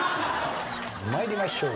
参りましょう。